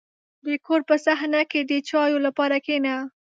• د کور په صحنه کې د چایو لپاره کښېنه.